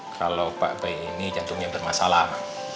kalau pak bay ini jantung yang bermasalah